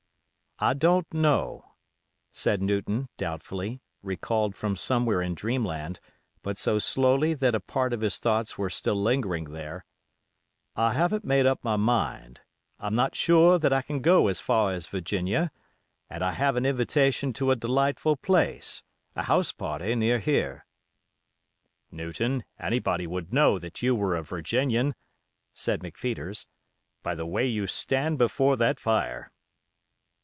"I don't know," said Newton, doubtfully, recalled from somewhere in dreamland, but so slowly that a part of his thoughts were still lingering there. "I haven't made up my mind—I'm not sure that I can go so far as Virginia, and I have an invitation to a delightful place—a house party near here." "Newton, anybody would know that you were a Virginian," said McPheeters, "by the way you stand before that fire."